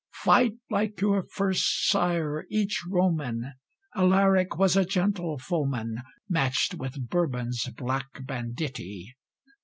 Fight like your first sire, each Roman! Alaric was a gentle foeman, Matched with Bourbon's black banditti.